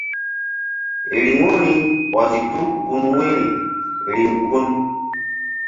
Riŋu ri ɔzi tul gun wu̧yri riŋ gun.